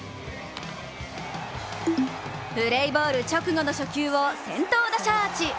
プレイボール直後の初球を先頭打者アーチ。